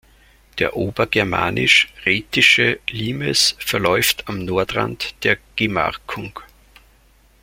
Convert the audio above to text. Der Obergermanisch-Raetische Limes verläuft am Nordrand der Gemarkung.